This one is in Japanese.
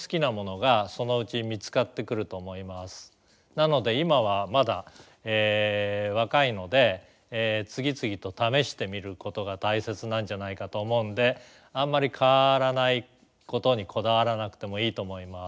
なので今はまだ若いので次々と試してみることが大切なんじゃないかと思うんであんまり変わらないことにこだわらなくてもいいと思います。